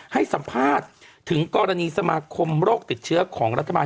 ให้สัมภาษณ์ถึงกรณีสมาคมโรคติดเชื้อของรัฐบาล